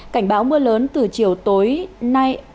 cảnh báo mưa lớn từ chiều tối nay